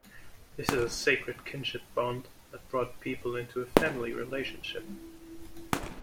This is a sacred kinship bond that brought people into a family relationship.